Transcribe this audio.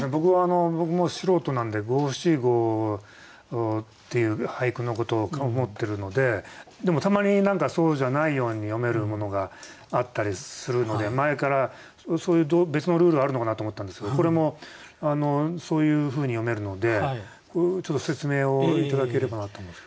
僕も素人なんで五七五っていう俳句のことを思ってるのででもたまにそうじゃないように読めるものがあったりするので前からそういう別のルールあるのかなと思ったんですけどこれもそういうふうに読めるので説明を頂ければなと思います。